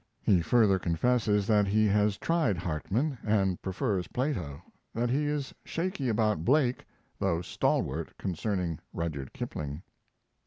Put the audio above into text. He further confesses that he has tried Hartmann and prefers Plato, that he is shaky about Blake, though stalwart concerning Rudyard Kipling.